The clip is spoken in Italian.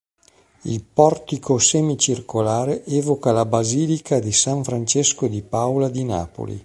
Il portico semicircolare evoca la basilica di San Francesco di Paola di Napoli.